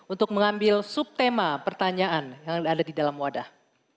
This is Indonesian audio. untuk mengambil subtema pertanyaan yang ada di dalam wadah